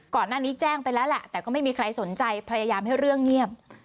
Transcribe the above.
ก่อนหน้านี้แจ้งไปแล้วแหละแต่ก็ไม่มีใครสนใจพยายามให้เรื่องเงียบ